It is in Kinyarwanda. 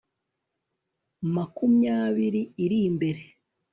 makumyabiri iri mbere